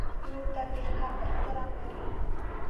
ورور ته د حق احترام لرې.